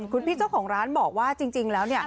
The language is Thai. คุณพี่เจ้าของร้านบอกว่าจริงแล้ว